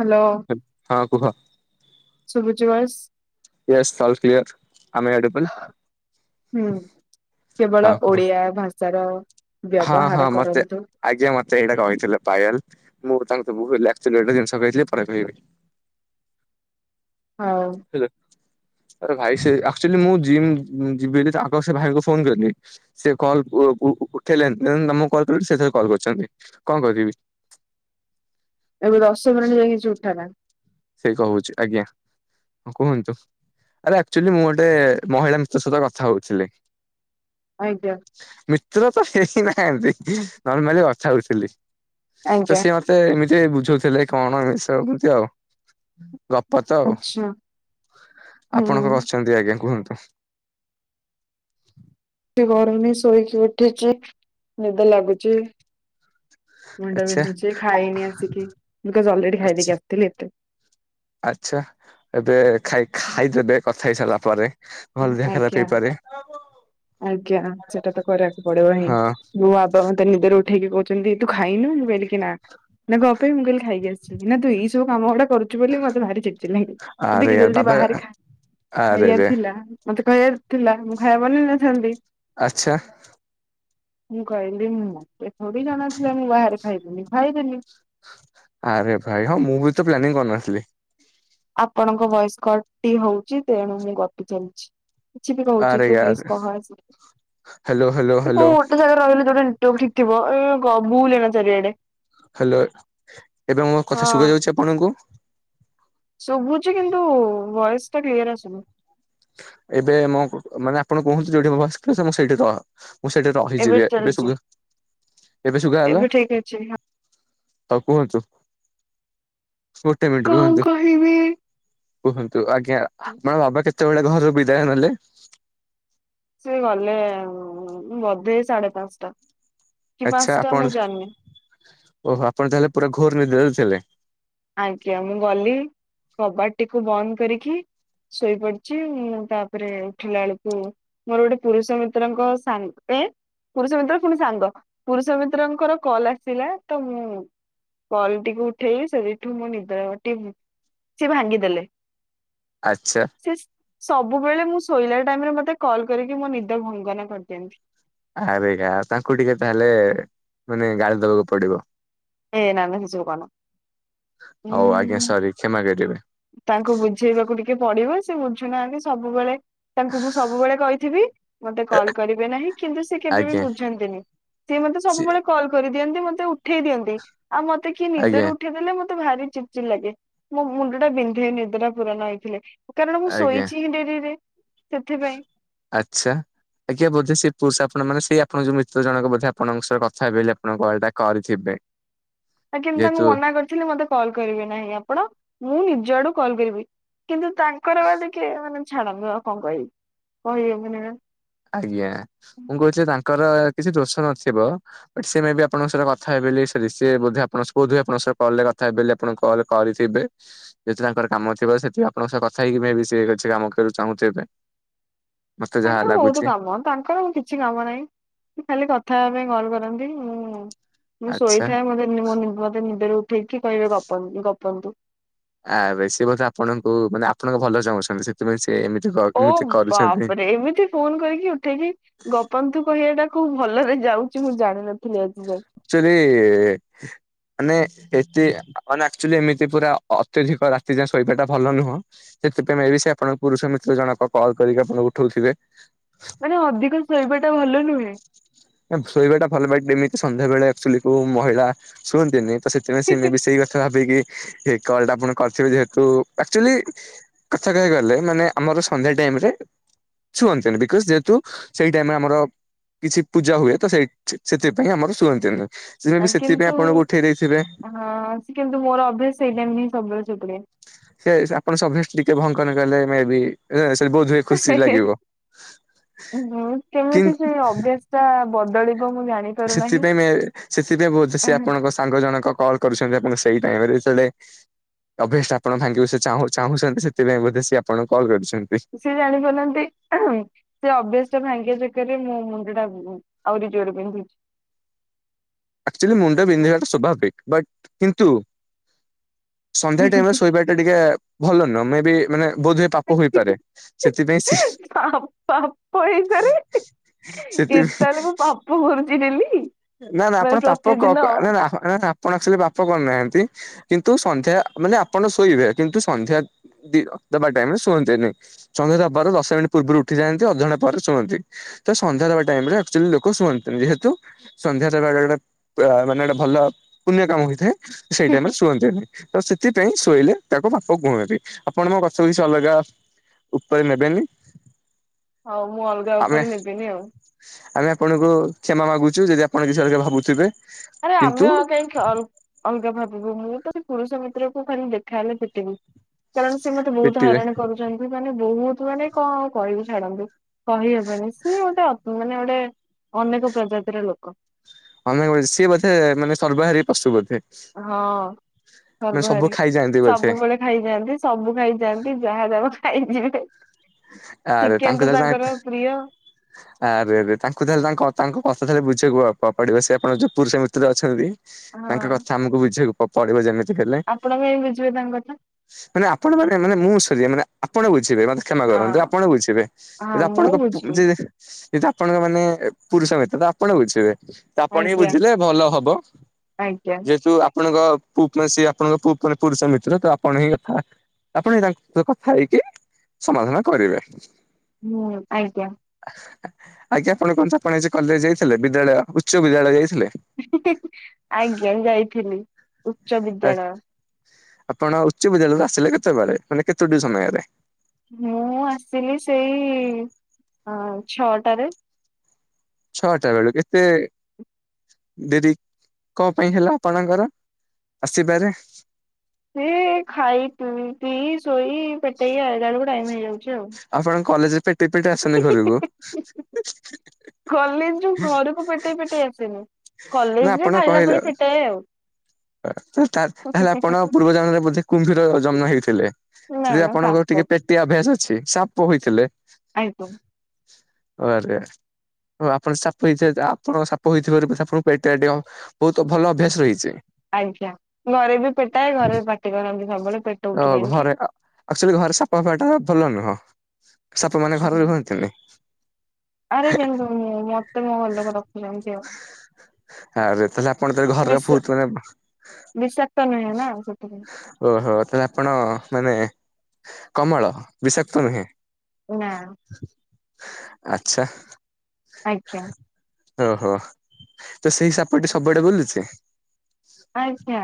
Hello. ହଁ କୁହ। ସୁବୁଚି ବଏସ। ଇଏସ ଅଲ କ୍ଲିୟର ଆମ ଏ ଅଡିବୁଲ। ହୁଁ କେବଳ ହଁ କୁହ ଓଡିଆ ଭାଷାର ହଁ ହଁ ବ୍ୟବହାର ମତେ କରନ୍ତୁ ଆଜ୍ଞା ମତେ ଏଟା କହିଥିଲେ ପାଏଲ ମୁଁ ତାଙ୍କୁ ଭୁଲ ଆକଚୁଆଲି ଗୋଟେ ଜିନିଷ କହିଥିଲି ପରେ କହିବି। ହଉ। ହେଲା ଆରେ ଭାଇ ସେ ଆକଚୁଆଲି ମୁଁ ଜିମ ଯିବି ବୋଲି ଆଗ ସେ ଭାଇଙ୍କୁ ଫୋନ କଲିି। ସେ କଲ୍ ଉ ଉ ଉଠେଇଲେନି ତେଣୁ ତମୁକୁ କଲ କଲି ସେଏ ଥରେ କଲ କରିଛନ୍ତି କଣ କହିିବି। ଏବେ ଦଶ ମିନିଟ ଯାଏ କିଛି ଉଠନା। ସେଏ କହୁଛି ଆଜ୍ଞା ହଁ କୁହନ୍ତୁ। ଆରେ ଆକଚୁଲି ମୁଁ ଗୋଟେ ମହିଳା ମିତ୍ର ସହିତ କଥା ହଉଥିଲି। ଆଜ୍ଞା। ମିତ୍ର ତ ହେଇନାହାନ୍ତି ନର୍ମାଲି କଥା ହଉଥିଲି ତ ଆଜ୍ଞା ସିଏ ମତେ ମତେ ଏମିତି ବୁଝୋଉଥିଲେ କଣ ଏମିତି ସବୁ ଏମିତି ଆଉ। ଗପ ତ ଆଚ୍ଛା ହୁଁ ଆପଣ କଅ କରଛନ୍ତି ଆଜ୍ଞା କୁହନ୍ତୁ। ଗରମ ନାଇ ଶୋଇକି ଉଠିଚି ନିଦ ଲାଗୁଛି। ମୁଣ୍ଡ ଆଚ୍ଛା ବିନ୍ଧୁଚି ଖାଇନି ଆସିକି ମୁତ ଅଲ୍ ରେଡି ଆଚ୍ଛା ଖାଇଦେଇକି ଆସିଥିଲି ଏତେ। ଆଚ୍ଛା ଏବେ ଖାଇ ଖାଇଦେବେ କଥା ହେଇ ସାରିଲା ପରେ ନହେଲେ ଦେହ ଖରାପ ଆଜ୍ଞା ହେଇପାରେ। ଆଜ୍ଞା ସେଟା ତ କରିବାକୁ ପଡିବ ହିଁ ହଁ ନୁଆ ବାବା ମତେ ନିଦରୁ ଉଠେଇକି କହୁଛନ୍ତି ତୁ ଖାଇନୁ ମୁଁ କହିଲି କି ନା ନା କଣ ପାଇଁ ମୁଁ କିହିଲି ଖାଇକି ଆସିଛି ନା ତୁ ଏଇ ସବୁ କାମ ଗୁଡା କରୁ ଚୁ ବୋଲି ମତେ ଭାରି ଚିଡି ଚିଡି ଲାଗେ ଆରେ ଯି ୟାର ଯଦି ବାବା ବାହାରେ ଖାଇ ଆରେ ଖାଇଆରେ ରେ ଥିଲା। ମତେ କହିବାର ଥିଲା ମୁଁ ଖାଇବାବନେଇ ନଥାନ୍ତି। ଆଚ୍ଛା। ମୁଁ କହିଲି ମୁଁ ମୋତେ ଥୋଡି ଜଣା ଥିଲା ମୁଁ ବାହାରେ ଖାଇବିନି ମୁଁ ଖାଇଦେଲିି। ଆରେ ଭାଇ ହଁ ମୁଁ ବିତ ପ୍ଲାନିଂ କରିନଥିଲି। ଆପଣଙ୍କ ଭଏସ୍ କଟ ଟି ହୋଉଚି ତେଣୁ ମୁଁ ଗପି ଚାଲିଚି। କିଛି ବି କୋହୁଚି ଆରେ ତୁ ୟାର ପ୍ଲିଜ କହ ହ୍ୟାଲୋ ହ୍ୟାଲୋ ଆଜିକି ହ୍ୟାଲୋ କୋଉ ଗୋଟେ ଜାଗାରେ ରହିଲେ ଯୋଟାକି [unintelligible] ଗ ବୁଲ ନା ଚାରିଆଡେ। ହ୍ୟାଲୋ ଏବେ ମୋ ହଁ। କଥା ଶୁଵା ଯାଉଛି ଆପଣଙ୍କୁ। ଶୁଭୁଚି କିନ୍ତୁ ଭଏସ ଟା କ୍ଲିୟର ଆସୁନି। ଏବେ ମୋ କୁ ମାନେ ଆପଣ କୁହନ୍ତୁ ଯୋଉଟି ବସତିଲି ମୁଁ ସେଇଟି ତ। ମୁଁ ସେଠି ରହିଯିବି ଏବେ ସୁଗା ଏବେ ସୁଗା ହେଲା। ଠିକ୍ ଅଛି। ତ କୁହନ୍ତୁ। ଗୋଟେ ମିନିଟ କଣ ରୁହନ୍ତୁ। କହିବି। କୁହନ୍ତୁ ଆଜ୍ଞା ମାନେ ବାବା କେତେବେଳେ ଘରୁ ବିଦାୟ ନେଲେ। ସେ ଗଲେ ବୋଧେ ଏ ସାଢେ ପାଞ୍ଚଟା। କି ଆଚ୍ଛା ପାଞ୍ଚଟା ମୁଁ ଆପଣ ଜାଣିନି। ଓହୋ ଆପଣ ତାହେଲେ ପୁରା ଘୋର ନିଦରେ ଥିଲେ। ଆଜ୍ଞା ମୁଁ ଗଲି କବାଟ ଟିକୁ ବନ୍ଦ କରିକି ଶୋଇ ପଡିଛି ମୁଁ ତାପରେ ଉଠିଲା ବେଳକୁ ମୋର ଗୋଟେ ପୁରୁଷ ମିତ୍ରଙ୍କ ସାଙ୍ଗ ଏଁ ପୁରୁଷ ମିତ୍ର ପୁଣି ସାଙ୍ଗ ପୁରୁଷ ମିତ୍ରଙ୍କର କଲ ଆସିଲା ତ ମୁଁ କଲ ଟିକୁ ଉଠେଇ ସେଇଠୁ ମୁଁ ନିଦ ଟି ସେ ଭାଙ୍ଗିଦେଲେ। ଆଚ୍ଛା। ସେ ସବୁବେଳେ ମୁଁ ଶୋଇଲା ଟାଇମରେ ମତେ କଲ୍ କରିକି ମୋ ନିଦ ଭଙ୍ଗନ କରିଦିଅନ୍ତି। ଆରେ ୟାର ତାଙ୍କୁ ଟିକେ ତାହେଲେ ମାନେ ଗାଳି ଦବାକୁ ପଡିବ। ଏ ନା ନା ସେ ସବୁ କହନା ହୋଉ ଆଉ ଆଜ୍ଞା ଉଁ ସରି କ୍ଷମା କରିବେ। ତାଙ୍କୁ ବୁଝେଇବାକୁ ଟିକେ ପଡିବ ସେ ବୁଝୁନାହାନ୍ତି ସବୁବେଳେ ତାଙ୍କୁ ମୁଁ ସବୁବେଳେ କହିଥିବି ମତେ କଲ କରିବେ ନାହିଁ କିନ୍ତୁ ସେ କେବେ ବି ଆଜ୍ଞା ବୁଝନ୍ତିନି। ସିଏ ମତେ ସିଏ ସବୁବେଳେ କଲ୍ କରିଦିଅନ୍ତି ମତେ ଉଠେଇ ଦିଅନ୍ତି ଆଉ ମତେ କିଏ ଆଜ୍ଞା ନିଦରୁ ଉ ଠେଇଦଲେ ମତେ ଭାରି ଚିଡ ଚିଡ ଲାଗେ ମୋ ମୁଣ୍ଡ ଟା ବିନ୍ଧେ ନିଦ ଟା ପୁରା ନ ହେଇଥିଲେ। କାରଣ ମୁଁ ଆଜ୍ଞା ଶୋଇଛି ହିଁ ଡେରିରେ ସେଥିପାଇଁ। ଆଛା। ଆଜ୍ଞା ବୋଧେ ସେ ପୁରୁଷ ଆପଣ ମାନେ ସେଇ ଆପଣ ଯୋଉ ମିତ୍ର ଜଣକ ବୋଧେ ଆଣଙ୍କ ସହ କଥା ହେବେ ବୋଲି ଆପଣଙ୍କ କଲ ଟା କରିଥିବେ। ହଁ। ଆଜ୍ଞା ତାଙ୍କୁ ମନା କରିଥିଲି ମତେ କଲ୍ କରିବେ ନାହିଁ ଆପଣ ମୁଁ ନିଜ ଆଡୁ କଲ୍ କରିବି। କିନ୍ତୁ ତାଙ୍କର ବା ଟିକେ ମାନେ ଛାଡନ୍ତୁ ଆଉ କଣ କହିବି କରିହବନି ବା। ଆଜ୍ଞା ମୁଁ କହୁଥିଲି ତାଙ୍କର କିଛି ଦୋଷ ନଥିବ। ବଟ୍ ସେ ମେଁ ବି ଆପଣଙ୍କ ସ କଥା ହେବେ ବୋଲି ସ ବୋଧେ ଆପଣଙ୍କ ବୋଧ ଆଣଙ୍କ କ କଥା ହେବେ ବୋଲି ଆପଣ କଲ କରିଥିବେ। ଯଦି ତାଙ୍କର କାମ ଥିବ ସେଥିପି ଆପଣଙ୍କ ସହ କଥା ହେଇକି ମେଏଁ ବି ସେ କିଛି କାମ କରିବାକୁ ଚାହୁଁଥ ଏବେ। ମତେ ଯାହା ତାଙ୍କର ବହୁତ ଲାଗୁଛି। କାମ ତାଙ୍କର କିଛି କାମ ନାହିଁ ଖାଲି କଥା ହେବା ପାଇଁ କଲ କରନ୍ତି ଉଁ ମୁଁ ଆଚ୍ଛା। ଶୋଇଥାଏ ମତେ ମୋ ମତେ ନିଦରୁ ଉଠେଇକି କହିବେ ଗପ ଗପନ୍ତୁ। ଆ ସିଏ ବୋଧେ ଆପଣଙ୍କୁ ମାନେ ଆପଣଙ୍କ ଭଲ ଚାହୁଁଛନ୍ତି ସେଥିପାଇଁ ସେ ଏମିତି ଓ ଏମିତି କରୁଛନ୍ତି। ବାପରେ ଏମିତି ଫୋନ କରିକି ଉଠେଇକି ଗପନ୍ତୁ କହିବା ଟା କୋଉ ଭଲରେ ଯାଉଛି ମୁଁ ଜାଣିନଥିଲି ଆଜି ଯାଏ। ଆକ୍ଚୁଆଲି ମାନେ ଏତେ ମାନେ ଆକ୍ଚୁଆଲି ଏମିତି ପୁରା ଅତ୍ୟଧିକ ରାତି ଯାଏ ଶୋଇବା ଟା ଭଲ ନୁହଁ। ସେଥିପାଇଁ ମେବି ସେ ଆପଣଙ୍କ ପୁରୁଷ ମିତ୍ର ଜଣକ କଲ୍ କରିକି ଆପଣଙ୍କୁ ଉଠଉଥିବେ। ମାନେ ଅଧିକ ଶୋଇବା ଟା ଭଲ ନୁହେଁ। ଶୋଇବା ଟା ଭଲ ବଟ୍ ଏମିତି ସନ୍ଧ୍ୟାବେେଳେ ଆକ୍ଚୁଲି କୋଉ ମହିଳା ଶୁଅନ୍ତିନି। ତ ସେଥିପାଇଁ ସେ ମେବି ସେଇ କଥା ଭାବିକି କଲ ଟା ଆପଣଙ୍କୁ କରିଥିବେ ଆକ୍ଚୁଆଲି ଆଛା ଖାଇଗଲେ ମାନେ ଆମର ସନ୍ଧ୍ୟା ଟାଇମରେ। ଶୁଅନ୍ତନି ବିକଜ୍ ଯେହେତୁ ସେଇ ଟାଇମ୍ ରେ ଆମର କିଛି ପୂଜା ହୁଏ ତ ସେଇ ସେଥିପାଇଁ ଆମର ଶୁଅନ୍ତିନି। ସେ ବି ଆଉ ସେଥିପାଇଁ କିନ୍ତୁ ଆପଣଙ୍କୁ ଉଠେଇ ଦେଇଥିବେ। ହଁ ସେ କିନ୍ତୁ ମୋର ଅଭ୍ୟାସ ଏଇ ଟାଇମ ରେ ସବୁବେଳେ ଶୋଇପଡେ। ସେ ଆପଣ ସ ଟିକେ ଭଙ୍କନ କଲେ ମ ବି ବୋଧ ହୁଏ ଖୁସି ହେ ହେ ଲାଗିବ। ହୁଁ କିନ୍ କେମିତି ସେ ଅଭ୍ୟା ଟା ବଦଳିବ ମୁଁ ଜାଣିି ସେଥିପାଇଁ ସେଥିପାଇଁ ବୋହୁତୁ ସେ ଆପଣଙ୍କ ସାଙ୍ଗ ଜଣକ କଲ୍ କରୁଛନ୍ତି ଆପଣଙ୍କୁ ସେଇ ଟାଇମରେ। ଅଭେଷ୍ଟ୍ ଆପଣ ଭାଙ୍ଗିବ ସେ ଚାହୁଁ ଚାହୁଁଛନ୍ତି ସେଥିପାଇଁ ବୋଧେ ସି ଆପଣଙ୍କୁ କଲ୍ କରୁଛନ୍ତି। ସିଏ ଜାଣି ପାରୁନାହାନ୍ତି। ସେ ଅଭ୍ୟାସ ଟା ଭାଙ୍ଗିିବା ଚକରେ ମୁୋ ମୁଣ୍ଡ ଟା ଆହୁରି ଜୋରେ ବିନ୍ଧୁ ଆକାଚୁଲି ମୁଣ୍ଡ ବିନ୍ଧିବାଟା ସ୍ଵଭାବିକ ବଟ କିନ୍ତୁ ସନ୍ଧ୍ୟା ବିନ୍ଧୁଛି। ଟାଇମରେ ଶୋଇବା ଟିକେ ଭଲ ନୁହଁ ମେ ବି ମାନେ ବୋଧ ହୁଏ ପାପ ହୋଇପାରେ ସେଥିପାଇଁ ସି ପାପ ପାପ ସେଥିପାଇଁ ମୋ ପାପୁ କରୁଚି ଡେଲି। ନା ନା ମାନେ ଆପଣ ପାପ କ ପ୍ରତିଦିନ ନା ନା ନା ନା ଆପଣ ପାପ କରୁନାହାନ୍ତି କିନ୍ତୁ ସନ୍ଧ୍ୟା ମାନେ ଆପଣ ଶୋଇବେ କିନ୍ତୁ ସନ୍ଧ୍ୟା ସନ୍ଧ୍ୟା ଦେବା ଟାଇମରେ ଶୁଅନ୍ତନ୍ତି ନାଇଁ ସନ୍ଧ୍ୟା ଦେବାର ଦଶ ମିନିଟ୍ ପୂର୍ବରୁ ଉଠି ଯାଆନ୍ତି ଅଧଘଣ୍ଟେ ପରେ ଶୁଅନ୍ତି। ତ ସନ୍ଧ୍ୟା ଦେବା ଟାଇମ୍ ନା ଆକ୍ଚୁଚୁଆଲି ଲୋକ ଶୁଅନ୍ତନ୍ତିନି ଯେହେତୁ ସନ୍ଧ୍ୟା ଦେବା ସେ ଗୋଟେ ମାନେ ଗୋଟେ ଭଲ ପୁଣ୍ୟ କାମ ହେଇଥାଏ ସେଇଟାଇମରେ ଶୁଅନ୍ତିନି। ତ ସେଥିପାଇଁ ଶୋଇଲେ ତାଙ୍କ ପାପ କୁହାଯାଏ ଆପଣ ମୋ କଥା କିଛି ଅଲଗା ଉପରେ ନେବେନି। ହୋଉ, ମୁଁ ଅଲଗା ଆମେ ଉପରେ ନେବିନି ଆଉ। ଆମେ ଆପଣଙ୍କୁ କ୍ଷମା ମାଗୁଛୁ ଯଦି ଆପଣ କିଛି ଅଲଗା ଭାବୁଥୁବେ। ଆରେ ଆମେ କାହିଁ କି ଅଲଗା ଭାବିବୁ ମୁଁ ତ ସେ ପୁରୁଷ ମିତ୍ରକୁୁ ଖାଲି ଦେଖାହେଲେ ପିଟିବି। କାରଣ ସେ ମତେ ବୋହୁତୁ ପିଟିବେ ହଇରାଣ କରୁଛନ୍ତି ମାନେ ବୋହୁତୁ ମାନେ କଣ କହିବି ଛାଡ଼ନ୍ତୁ। କହିହବନି ସିଏ ଗୋଟେ ମାନେ ଗୋଟେ ଅନେକ ପ୍ରଜାତିର ଲୋକ। ହଁ ମାନେ ସିଏ ବୋଧେ ମାନେ ସର୍ବହାରୀ ପଶୁ ବୋଧେ? ହଁ ମାନେ ସବୁ ସର୍ବହାରି ଖାଇଯାଆନ୍ତି ବୋଧେ ସବୁବେଳେ ଖାଇଯାଆନ୍ତି ସବୁ ଖାଇଯାଆନ୍ତି ଯାହା ଦବ ଖାଇଯିବେ। ଆରେ ଚିକେନ ତ ତାଙ୍କର ପ୍ରିୟ। ଆରେ ଆରେ ତାଙ୍କୁ ତାହଲେ ତା ତାଙ୍କ କଥା ହଲେ ବୁଝିବାକୁ ପଡିବ ସେ ଆପଣଙ୍କ ଜୋଉ ପୁରୁଷ ମିତ୍ର ଅଛନ୍ତି। ତାଙ୍କ ହଁ କଥା ଆମକୁ ବୁଝେଇବ ପଡିବ ଯେମିତି ବି ହେଲେ। ଆପଣ କାହିଁ ବୁଝିବେ ତାଙ୍କ କଥା। ମାନେ ଆପଣ ମାନେ ମୁଁ ସରିବ ମାନେ ଆପଣ ବୁଝିବେ ମତେ କ୍ଷମା କର ହଁ ଆପଣ ବୁଝିବେ ହଁ ଯଦି ମୁଁ ଆପଣଙ୍କ ବୁଝିବି ଯେ ଯଦି ତ ଆପଣଙ୍କ ମାନେ ପୁରୁଷ ମି ତ ଆପଣ ବୁଝିବେ। ତ ଆପଣ ହିଁ ଆଜ୍ଞା ବୁଝିଲେ ଭଲ ହବ ଆଜ୍ଞା ଯେହେତୁ ଆ ପଣଙ୍କ ପୁ ମାନେ ସ ଆପଣଙ୍କ ପୁ ମାନେ ପୁରୁଷ ମିତ୍ର ତ ଆପଣ ହି ଫା ଆପଣହିଁ ତାଙ୍କ ସହ କଥା ହେଇକି ସମାଧାନ କରିବେ। ହୁଁ ଆଜ୍ଞା। ଆଜ୍ଞା ଆପଣ କହନ୍ତୁ ଆପଣ ଆଜି କଲେଜ୍ ଯାଇଥିଲେ ବିଦ୍ୟାଳୟ ଉଚ୍ଚ ବିଦ୍ୟାଳୟ ଯାଇଥିଲେ? ଆଜ୍ଞା ଯାଇଥିଲି ଉଚ୍ଚ ବିଦ୍ୟାଳୟ। ଆପଣ ଉଚ୍ଚ ବିଦ୍ୟାଳୟରୁ ଆସିଲେ କେତେବେଳେ ମାନେ କେତୋଟି ସମୟରେ? ମୁଁ ଆସିଲି ସେଇ ଛଅଟାରେ। ଛଅଟା ବେଳୁକୁ ଏତେ ଡେରି କଁ ପେଇଁ ହେଲା ଆପଣଙ୍କର ଆସିବାରେ? ସେ ଖାଇି ପିଇ ଶୋଇ ପେଟେଇ ଆଇଲା ବେଳକୁ ଟାଇମ୍ ହେଇଯାଉଚି ଆଉ। ଆପଣ କଲେଜ୍ ପେଟେଇ ପେଟେଇ ଆସନ୍ତି ଘରୁକୁ। କଲେଜରୁ ଘରକୁ ପେଟେଇ ପେଟେଇ ଆସନି ନା କଲେଜ ଆପଣ ରେ ଖାଇଲା କହିଲେ ପରେ ପେଟାଏ ଆଉ। ତାହେଲେ ଆପଣ ନା ପୂର୍ବ ଜନରେ ବୋଧେ କୁମ୍ଭୀର ଜନ୍ମ ହେଇଥିଲେ? ସେଥିପାଇଁ ନା ଆପଣଙ୍କ ର ସାପ ଟିକେ ପେଟେଇବା ଅଭ୍ୟାସ ଅଛି ସାପ ହୋଇଥିଲେ। ଆଇତୁ ଆରେ ଆରେ ହଁ ଆପଣ ସାପ ହେଇଥିବ ଆପଣ ସାପ ହେଇଥିବାରୁ ଆପଣଙ୍କୁ ପେଟ ଆ ଆଉ ଅ ବହୁତ ଭଲ ଅଭ୍ୟାସ ହୋଇଛି। ଆଜ୍ଞା ଘରେ ବି ପେଟାଏ ଘରେ ପାଟି କରନ୍ତି ସବୁବେଳେ ପେ ଓ ଘରେ ଆଚୁଆଲି ଘରେ ସଫା ସଫା ଟା ଭଲ ନୁହଁ। ସାପ ମାନ ଘରେ ହୁଁ। ରୁହନ୍ତିନି। ଆରେ କେମିତି ମୁଁ ଜାଣିବି ମତେ ମୋ ଘର ଲୋକ ରଖୁଛନ୍ତି। ଆଉ ଆରେ ତାହେଲେ ଆପଣ ତାହେଲେ ଘରର ବିଷ ବହୁତ ମାନେ ବିଷାକ୍ତ ନୁହେଁ ନା ସେଥିପାଇଁ। ଓହୋ ତାହେଲେ ଆପଣ ମାନେ କମଳ ବିଷାକ୍ତ ନୁହେଁ। ନାଁ ଆଚ୍ଛା ଆଜ୍ଞା। ଓହୋ, ତ ସେଇ ସାପଟି ସବୁଆଡେ ବୁଲୁଚି? ଆଜ୍ଞା,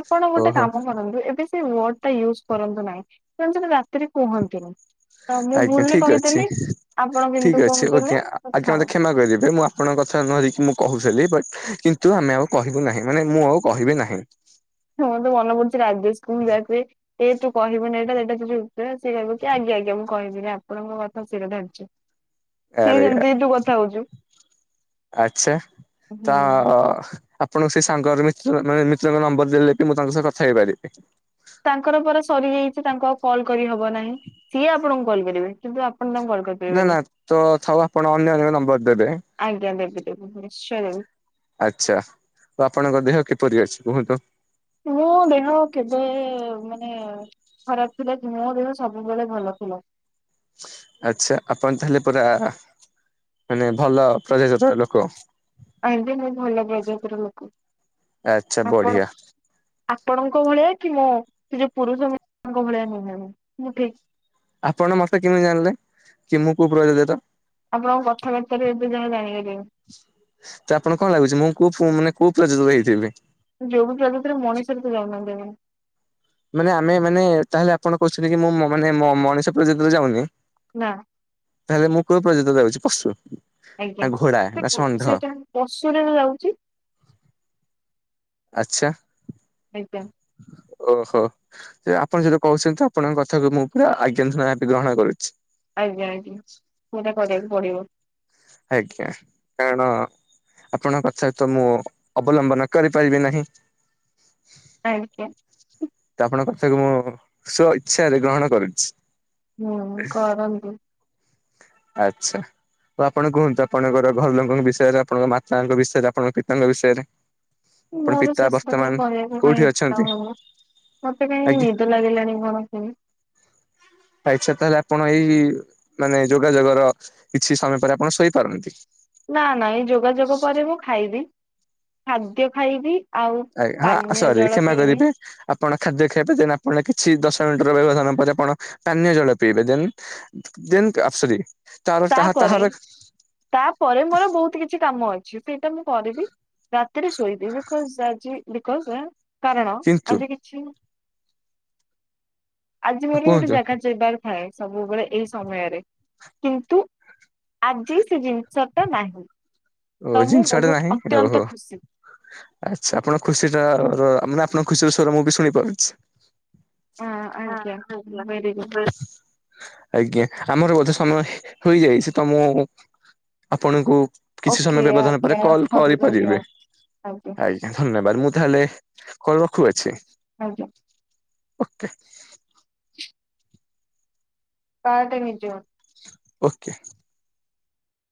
ଆପଣ ଗୋଟେ ଓହୋ କାମ କରନ୍ତୁ ଏବେ ସେ ୱାର୍ଡ ଟା ୟୁଜ୍ କରନ୍ତୁ ନାହିଁ କାରଣ ସେଟା ରାତିରେ କୁହନ୍ତିନି। ତ ମୁଁ ଆଜ୍ଞା ଭୁଲରେ ଠିକ ଅଛି କହିଦେଲି। ଆପଣ କିନ୍ତୁ ଠିକ ଅଛି କହୁଥିଲେ ଓକେ ଆଜ୍ଞା କଥା ମତେ କ୍ଷମା କରିଦେବେେ ମୁଁ ଆ ଆପଣଙ୍କ କଥା ନ ଦେଇକି ମୁଁ କହୁଥିଲି, ବଟ କିନ୍ତୁ ଆମେ ଆଉ କହିବୁ ନାହିଁ ମାନେ ମୁଁ ଆଉ କହିବି ନାହିଁ। ମୋର ତ ମନେ ପଡୁଛି ରାଜେଶ କୁ ମୁଁ ଯାହାକୁହେ ଏ ତୁ କିହିବୁନି ଏଟା ସେଇଟା, କେବେ ଉତ୍ତର, ସେ କହୁଛି ଆଜ୍ଞା ଆଜ୍ଞା, ମୁ କହିବିନି, ଆପଣଙ୍କ କଥା ସିର ଧାର୍ଯ୍ୟ ସେ ଆରେ ସେମିତି ତୁ କଥା ହଉଛୁ। ଆଛା ହୁଁ ତ ଆପଣଙ୍କୁ ସେ ସାଙ୍ଗର ମାନେ ମିତ୍ରଙ୍କ ନମ୍ବର ଦେଲେ ବି ମୁଁ ତାଙ୍କ ସହ କଥା ହେଇପାରିବି। ତାଙ୍କର ପରା ସରିଯାଇଛି ତାଙ୍କୁ ଆଉ କଲ୍ କରିହବ ନାହିଁ। ସିଏ ଆପଣଙ୍କୁ କଲ୍ କରିବେ କିନ୍ତୁ ଆପଣ ତାଙ୍କୁ କଲ କରିବେ ନା ନା ତ ଥାଉ ଆପଣ ଅନାନ୍ୟ ନମ୍ବର ଦେବେ। ଆଜ୍ଞା ଦେବି ଦେବି ନିଶ୍ଚୟ ଦେବି। ଆଛା ତ ଆପଣଙ୍କ ଦେହ କିପରି ଅଛି କୁହନ୍ତୁ? ମୁଁ ଦେହ କେବେ ମାନେ ଖରାପ ଥିଲା ମୋ ଦେହ ସବୁବେଳେ ଭଲ ଥିଲା। ଆଛା ଆପଣ ତାହେଲେ ପୁରା ମାନେ ଭଲ ପ୍ରଜାତିର ଲୋକ। ଆଜ୍ଞା ମୁଁ ଭଲ ପ୍ରଜାତିର ଲୋକ ଆଚ୍ଛା ବଢିଆ ଆପଣ। ଆପଣଙ୍କ ଭଳିଆ କି ମୋ ସେ ଯୋଉ ପୁରୁଷ ମାନଙ୍କ ଭଳିଆ ନୁହ ମୁ ମୁଁ ଠିକ। ଆପଣ ମତେ କେମିତି ଜାଣିଲେ କି ମୁଁ କୋଉ ପ୍ରଜାତିର। ଆପଣଙ୍କ କଥାବାର୍ତ୍ତାରେ ଏବେ ଯାହା ଜାଣିପାରିବ। ତ ଆପଣ କଣ ଲାଗୁଛି ମୁଁ କୋଉ ମାନେ କୋଉ ପ୍ରଜାତିର ହେଇଥିବି। ଯୋଉ ପ୍ରଜାତିର ମଣିଷ ରେ ତ ଯାଉନାହନ୍ତି ଆପଣ। ମାନେ ଆମେ ମାନେ ତାହେଲେ ଆପଣ କହୁଛନ୍ତି କି ମୁଁ ମାନେ ମଣିଷ ପ୍ରଜାତିରେ ଯାଉନି। ନା ତାହେଲେ ମୁଁ କୋଉ ପ୍ରଜାତିରେ ଯାଉଛି- ପଶୁ ଆଜ୍ଞା ନା ଘୋଡ଼ା ସେ ନା ଷଣ୍ଢ ସେଇଟା ପଶୁରେ ବା ଯାଉଛି। ଆଛା। ଆଜ୍ଞା ଓହୋ ଯେ ଆପଣ ଯଦି କହୁଛନ୍ତି ଆପଣଙ୍କ କଥାକୁ ମୁଁ ପୁରା ଆଜ୍ଞାଧୂନା ଗ୍ରହଣ କରୁଛି। ଆଜ୍ଞା ଆଜ୍ଞା ସେଟା କରିବାକୁ ପଡିବ। ଆଜ୍ଞା କାରଣ ଆପଣଙ୍କ କଥା ତ ମୁଁ ଅବଲମ୍ବନ କରିପାରିବି ନାହିଁ। ଆଜ୍ଞା। ତ ଆପଣଙ୍କ କଥାକୁ ମୁଁ ସ୍ଵ ଇଚ୍ଛାରେ ଗ୍ରହଣ କରୁଛି। ହୁଁ କରନ୍ତୁ। ଆଛା ଆ ଆପଣ କୁହନ୍ତୁ ଆପଣଙ୍କର ଘର ଲୋକଙ୍କ ବିଷୟରେ, ଆପଣଙ୍କ ମାତାଙ୍କ ବିଷୟରେ, ଆପଣଙ୍କ ପିତାଙ୍କ ବିଷୟରେ? ଆପଣ ମୋର ପିତା ସେସବୁ ବର୍ତ୍ତମାନ କହିବାକୁ କୋଉଠି କାଇଁ ଇଚ୍ଛା ଅଛନ୍ତି? ହଉନି। ମତେ କାଇହିଁ ଆଜ୍ଞା ନିଦ ଲାଗିଲାଣି କଣ [inaudible] ଆଇଛା ତାହେଲେ ଆପଣ ଏଇ, ମାନେ ଯୋଗାଯୋଗର କିଛି ସମୟ ପରେ ଆପଣ ଶୋଇପାରନ୍ତି। ନା ନାଇ ଏଇ ଯୋଗାଯୋଗ ପରେ ମୁଁ ଖାଇବି। ଖାଦ୍ୟ ଖାଇବି। ଆଉ ଆଜ୍ଞା ହଁ ପାନୀୟ ସରି, ଜଳ କ୍ଷମା ପିଇବି କରିବେ। ଆପଣ ଖାଦ୍ୟ ଖାଇବେ ଦେନ୍ ଆପଣ କିଛି ଦଶ ମିନିଟର ବ୍ୟବଧାନ ପରେ, ଆପଣ ପାନୀୟ ଜଳ ପିଇବେ। ଦେନ୍ ଯେମିତି ଅପସରି। ତାପରେ, ତାପରେ, ମୋର ବହୁତ କିଛି କାମ ଅଛି, ସେଇଟା ମୁଁ କରିବି। ରାତିରେ ଶୋଇଦି ବିକଜ ଆଜି ବିକଜ କାରଣ କିନ୍ତୁ ଆଜି କିଛି ଆଜି ମୋର ଗୋଟେ କୁହନ୍ତୁ ଜାଗା ଯିବାର ଥାଏ, ସବୁବେଳେ ଏଇ ସମୟରେ କିନ୍ତୁ ଆଜି ସେ ଜିନିଷ ଟା ନାହିଁ। ଓ ତ ମୁଁ ଜିନିଷଡେ ବହୁତ ନାହିଁ ଅତ୍ୟନ୍ତ ଓହୋ ଖୁସି ଆଚ୍ଛା ଆପଣ ଖୁସି ଟାର ମାନେ ଆପଣଙ୍କ ଖୁସିର ସ୍ଵର ମୁଁ ବି ଶୁଣିପାରୁଛି। ହଁ ଆଜ୍ଞା ହଁ ଆଜ୍ଞା ଭେରି ଗୁଡ୍। [inaudible] ଆଜ୍ଞା ଆମର ବୋଧେ ସମୟ ହୋଇଯାଇଛି ତ ମୁଁ ଆପଣଙ୍କୁ। କିଛି ଓକେ ସମୟ ବ୍ୟବଧାନ ପରେ ଆଜ୍ଞା କଲ ରଖନ୍ତୁ କରିପାରିବି। ଧନ୍ୟବାଦ ଆଜ୍ଞା ଧନ୍ୟବାଦ ମୁଁ ତାହେଲେ କଲ ରଖୁଅଛି। ଆଜ୍ଞା। ଓକେ। କା ଟେ ନିଜ। ଓକେ।